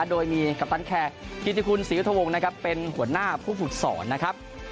โดยมีกัปตันแขกกิติคุณศรียุทธวงศ์นะครับเป็นหัวหน้าผู้ฝึกสอนนะครับ